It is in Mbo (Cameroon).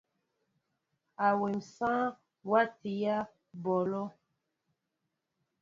Awém sááŋ watiyă ɓɔlɔ.